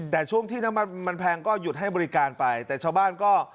แต่ช่วงที่น้ำมันมันแพงก็หยุดให้บริการไปแต่ชาวบ้านก็